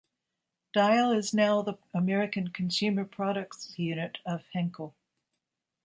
Dial is now the American consumer products unit of Henkel.